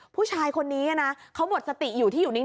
ผู้ชายคนนี้นะเขาหมดสติอยู่ที่อยู่นิ้ง